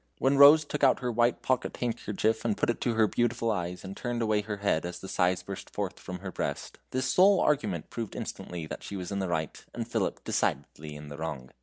When Rose took out her white pocket handkerchief, put it to her beautiful eyes, and turned away her head as the sighs burst forth from her breast, this sole argument proved instantly that she was in the right, and Philip decidedly in the wrong.